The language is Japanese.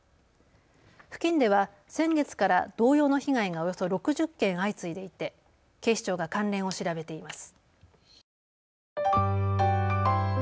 付近では先月から同様の被害がおよそ６０件相次いでいて警視庁が関連を調べています。